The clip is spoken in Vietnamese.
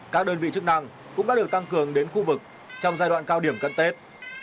các đơn vị chức năng cũng đã được tăng cường đến khu vực trong giai đoạn cao điểm cận tết